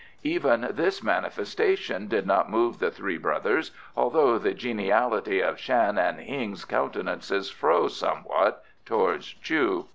Even this manifestation did not move the three brothers, although the geniality of Shan and Hing's countenances froze somewhat towards Chu.